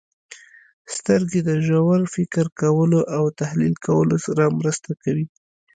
• سترګې د ژور فکر کولو او تحلیل کولو سره مرسته کوي.